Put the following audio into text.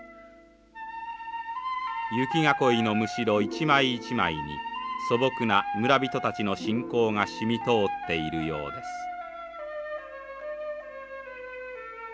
雪囲いのむしろ一枚一枚に素朴な村人たちの信仰が染み通っているようです。